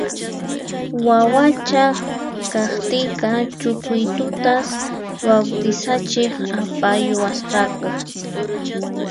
Wawacha kaqtiyqa Chucuitutas bawtisachiq apayuwasqaku